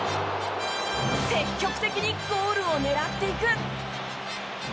積極的にゴールを狙っていく。